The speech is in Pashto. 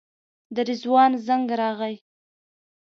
د رضوان زنګ راغی.